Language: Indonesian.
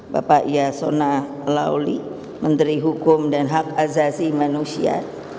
bapak yasona lauli menteri hukum dan hak azazi manusia